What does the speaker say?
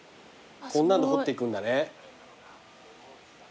こんなんで掘っていくんだね。